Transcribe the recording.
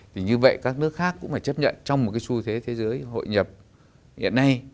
thì như vậy các nước khác cũng phải chấp nhận trong một cái xu thế thế giới hội nhập hiện nay